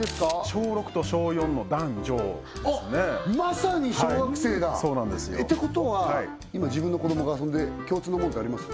小６と小４の男女ですねまさに小学生だそうなんですよてことは今自分の子どもが遊んで共通のもんってあります？